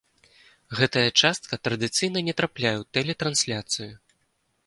Гэта частка традыцыйна не трапляе ў тэлетрансляцыю.